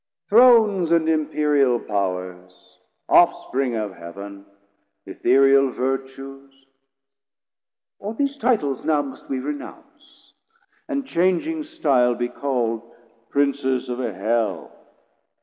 Thrones and imperial Powers, off spring of heav'n, 310 Ethereal Vertues; or these Titles now Must we renounce, and changing stile be call'd Princes of Hell?